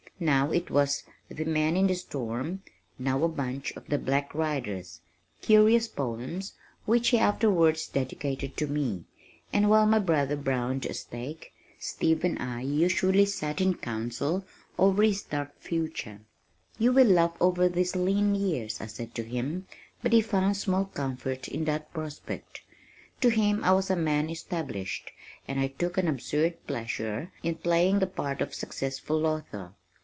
Now it was The Men in the Storm, now a bunch of The Black Riders, curious poems, which he afterwards dedicated to me, and while my brother browned a steak, Steve and I usually sat in council over his dark future. "You will laugh over these lean years," I said to him, but he found small comfort in that prospect. To him I was a man established, and I took an absurd pleasure in playing the part of Successful Author.